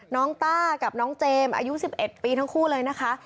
ต้ากับน้องเจมส์อายุ๑๑ปีทั้งคู่เลยนะคะ